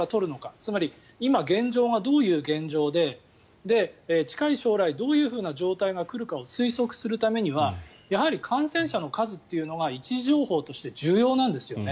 つまり、今現状がどういう現状で近い将来どういう状態が来るかを推測するためにはやはり、感染者の数というのが位置情報として重要なんですよね。